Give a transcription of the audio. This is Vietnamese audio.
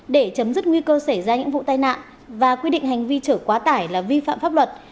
để chấm dứt nguy cơ xảy ra những vụ tai nạn và quy định hành vi chở quá tải là vi phạm pháp luật